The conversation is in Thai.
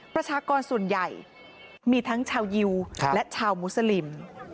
ประชากรส่วนใหญ่มีทั้งชาวยิวและชาวมุสลิม